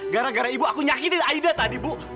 gara gara ibu aku nyakitin aida tadi bu